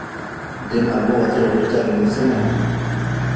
Dena albo batera uztearen izenean?